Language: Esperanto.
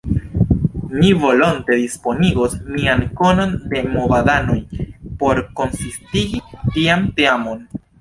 Mi volonte disponigos mian konon de movadanoj por konsistigi tian teamon.